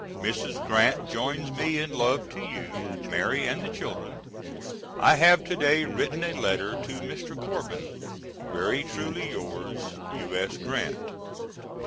Mrs. Grant joins me in love to you, Mary, and the children. I have to day written a letter to Mr. Corbin. Very truly yours, U.S. GRANT.